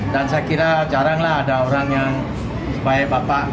dan saya kira jarang lah ada orang yang supaya bapak ini